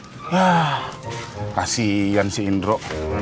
ah kasihan si indro